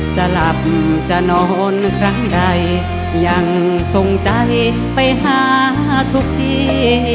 จะหลับจะนอนครั้งใดยังทรงใจไปหาทุกที